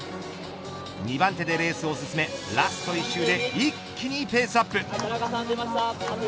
２番手でレースを進めラスト１周で一気にペースアップ。